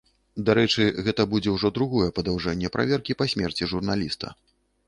Дарэчы, гэта будзе ўжо другое падаўжэнне праверкі па смерці журналіста.